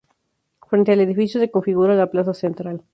Frente al edificio se configura la plaza central.